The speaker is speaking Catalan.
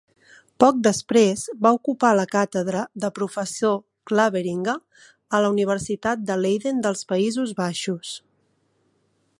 Poc després, va ocupar la càtedra de Professor Cleveringa a la Universitat de Leiden dels Països Baixos.